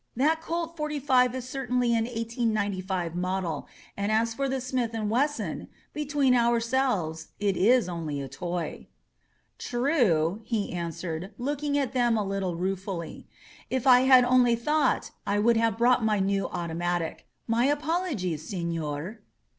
That Colt forty five is certainly an 1895 model, and as for the Smith and Wesson, between ourselves it is only a toy." ^True," he answered, looking at them a little rue fully. "If I had only thought I would have brought my new automatic. My apologies, senor."